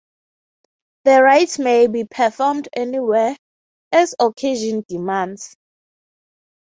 The rites may be performed anywhere, as occasion demands.